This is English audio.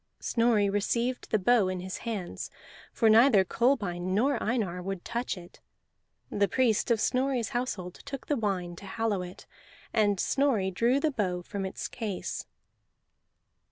Snorri received the bow in his hands, for neither Kolbein nor Einar would touch it. The priest of Snorri's household took the wine, to hallow it; and Snorri drew the bow from its case.